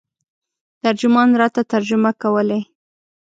ترجمان راته ترجمه کولې.